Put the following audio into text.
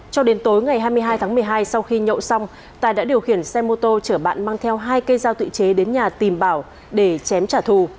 cho đến tối ngày hai mươi hai tháng một mươi hai sau khi nhậu xong tài đã điều khiển xe mô tô chở bạn mang theo hai cây dao tự chế đến nhà tìm bảo để chém trả thù